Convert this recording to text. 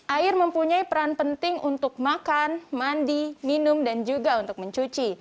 air mempunyai peran penting untuk makan mandi minum dan juga untuk mencuci